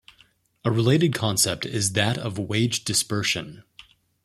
A related concept is that of wage dispersion.